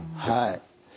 はい。